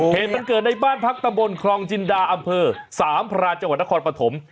เหตุมันเกิดในบ้านพักตำบลครองจินดาอำเภอสามพรานจังหวัดนครปฐม